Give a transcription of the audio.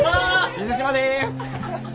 水島です。